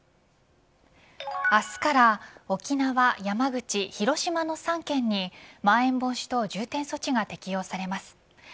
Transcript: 明日から沖縄、山口、広島の３県にまん延防止等重点措置が適用されます。